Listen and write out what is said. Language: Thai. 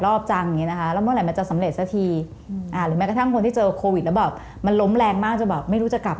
ตอนแรกเพื่อจะสุดท้ายละขออีกซัก๑คำถามครับ